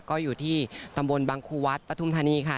ก็อยู่ที่ตำบลบังคูวัดปฐุมธานีค่ะ